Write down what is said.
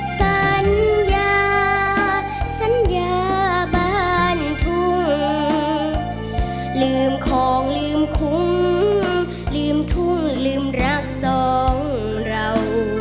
สัญญาสัญญาบ้านทุ่งลืมของลืมคุ้มลืมทุ่งลืมรักสองเรา